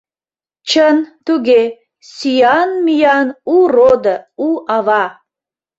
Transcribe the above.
Чын, туге: сӱан мӱян, у родо, у ава.